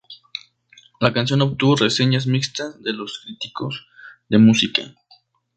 La canción obtuvo reseñas mixtas de los críticos de música.